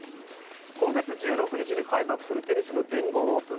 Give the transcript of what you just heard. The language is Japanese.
今月１６日に開幕するテニスの全豪オープン。